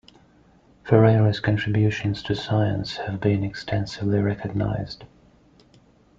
Ferreira's contributions to science have been extensively recognized.